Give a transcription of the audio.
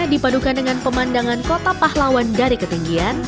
dipadukan dengan pemandangan kota pahlawan dari ketinggian